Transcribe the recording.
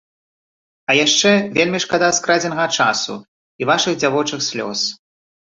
А яшчэ вельмі шкада скрадзенага часу і вашых дзявочых слёз.